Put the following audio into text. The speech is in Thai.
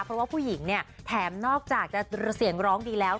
เพราะว่าผู้หญิงเนี่ยแถมนอกจากจะเสียงร้องดีแล้ว